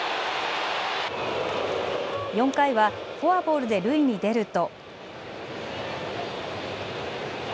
４回はフォアボールで塁に出ると。